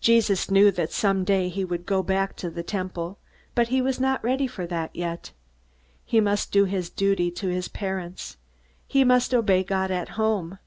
Jesus knew that someday he would go back to the Temple. But he was not ready for that yet. He must do his duty to his parents. He must obey God at home.